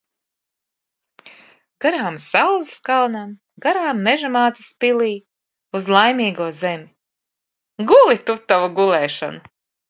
Garām saules kalnam, garām Meža mātes pilij. Uz Laimīgo zemi. Guli tu tavu gulēšanu!